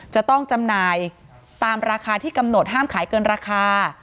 จำหน่ายตามราคาที่กำหนดห้ามขายเกินราคา